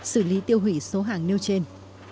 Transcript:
xử lý tiêu hủy số hàng nêu trên